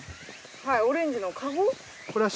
はいオレンジの。